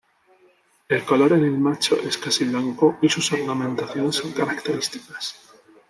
El color en el macho es casi blanco y sus ornamentaciones son características.